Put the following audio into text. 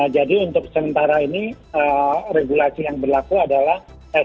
jadi untuk sementara ini regulasi yang berlaku adalah